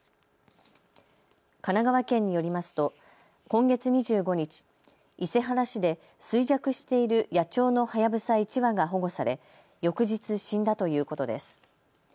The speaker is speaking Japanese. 神奈川県によりますと今月２５日、伊勢原市で衰弱している野鳥のハヤブサ１羽が保護され翌日、死んだということです。